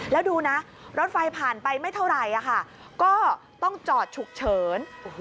แล้วดูนะรถไฟผ่านไปไม่เท่าไหร่ก็ต้องจอดฉุกเฉิน